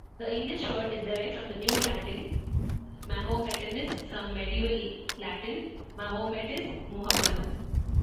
The English word is derived from New Latin "Mahometanus", from Medieval Latin "Mahometus", Muhammad.